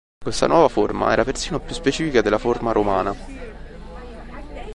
Questa nuova forma era persino più specifica della forma romana.